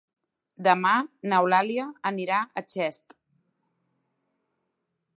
Demà n'Eulàlia anirà a Xest.